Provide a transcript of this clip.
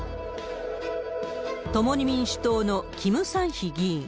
共に民主党のキム・サンヒ議員。